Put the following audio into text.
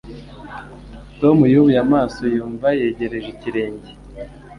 Tom yubuye amaso yumva yegereje ikirenge